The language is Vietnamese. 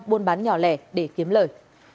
buôn bán nhỏ lẻ để kiếm lời